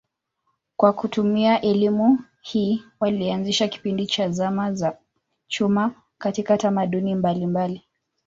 Kwa kutumia elimu hii walianzisha kipindi cha zama za chuma katika tamaduni mbalimbali.